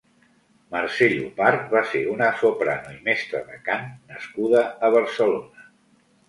Mercè Llopart va ser una soprano i mestra de cant nascuda a Barcelona.